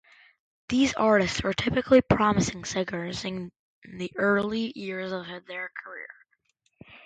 These artists are typically promising singers in the early years of their career.